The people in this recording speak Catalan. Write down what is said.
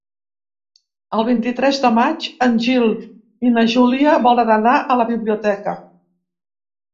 El vint-i-tres de maig en Gil i na Júlia volen anar a la biblioteca.